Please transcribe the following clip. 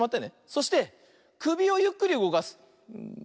そしてくびをゆっくりうごかす。